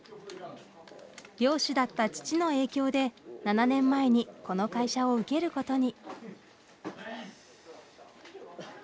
漁師だった父の影響で７年前にこの会社を受けることに。